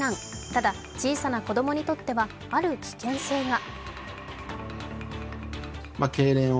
ただ、小さな子供にとってはある危険性が。